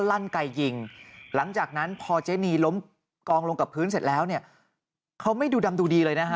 ลั่นไกยิงหลังจากนั้นพอเจนีล้มกองลงกับพื้นเสร็จแล้วเนี่ยเขาไม่ดูดำดูดีเลยนะฮะ